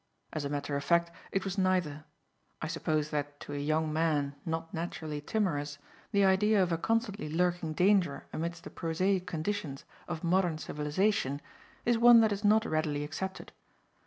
As a matter of fact, it was neither. I suppose that to a young man, not naturally timorous, the idea of a constantly lurking danger amidst the prosaic conditions of modern civilization is one that is not readily accepted.